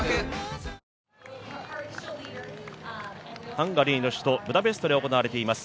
ハンガリーの首都ブダペストで行われています